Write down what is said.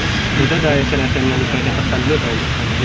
itu dari asn yang pernyataan dulu pak